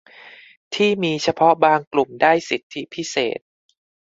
ที่มีเฉพาะบางกลุ่มได้สิทธิพิเศษ